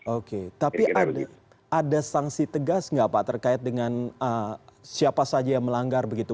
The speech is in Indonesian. oke tapi ada sanksi tegas nggak pak terkait dengan siapa saja yang melanggar begitu